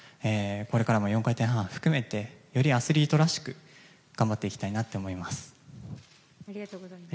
これからも４回転半を含めてよりアスリートらしく頑張っていきたいなって思います。